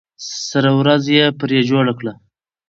سره ورځ یې پرې جوړه کړه.